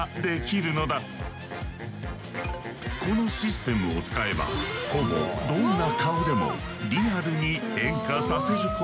このシステムを使えばほぼどんな顔でもリアルに変化させることができる。